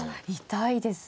痛いです。